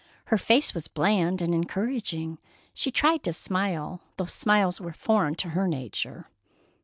Her face was bland and encouraging. She tried to smile, though smiles were foreign to her nature.